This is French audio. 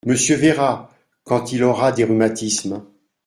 Monsieur verra, quand il aura des rhumatismes.